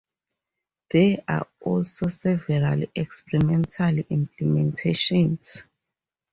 There are also several experimental implementations.